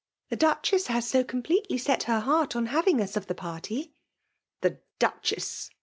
*' The Duchess lias so completely set her heart on having us of the party." " The Duchess